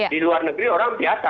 di luar negeri orang biasa